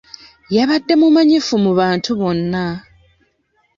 Yabadde mumanyifu mu bantu bonna.